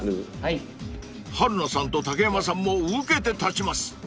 ［春菜さんと竹山さんも受けて立ちます］